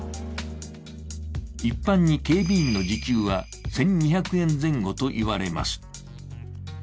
一般に警備員の時給は１２００円前後といわれます。